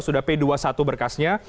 sudah p dua puluh satu berkasnya